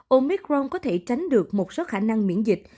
omicron có thể tránh được một số khả năng miễn dịch